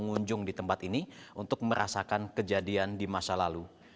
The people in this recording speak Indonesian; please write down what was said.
untuk menunjung di tempat ini untuk merasakan kejadian di masa lalu